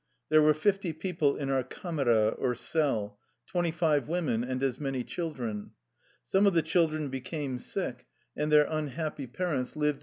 There were fifty people in our Jcdmera^^ twenty five women and as many children. Some of the children became sick, and their unhappy parents lived in 2 Provision money.